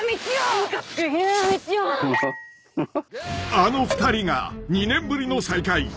［あの２人が２年ぶりの再会］